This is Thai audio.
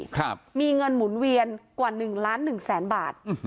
ครับมีเงินหมุนเวียนกว่าหนึ่งล้านหนึ่งแสนบาทอืม